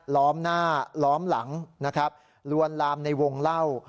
ล้อมหน้าล้อมหลังนะครับลวนลามในวงเล่า